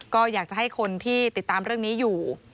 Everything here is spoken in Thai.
ก็อยากจะให้คนที่ติดตามเรื่องนี้อยู่